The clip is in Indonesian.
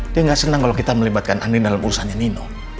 dia nggak senang kalau kita melibatkan andre dalam urusannya nino